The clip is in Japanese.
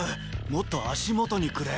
もっと足元にくれ！